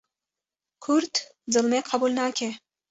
Kurd zilmê qebûl nake